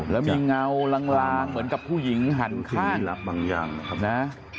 และมีเงาหลังเหมือนกับผู้หญิงหันข้างนะ